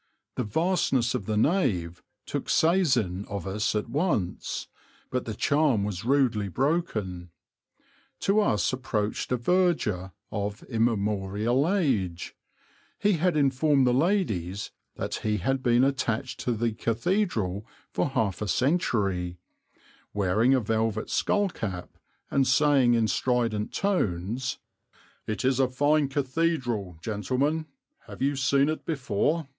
The vastness of the nave took seisin of us at once; but the charm was rudely broken. To us approached a verger of immemorial age he had informed the ladies that he had been attached to the cathedral for half a century wearing a velvet skull cap and saying in strident tones, "It is a fine cathedral, gentlemen; have you seen it before?"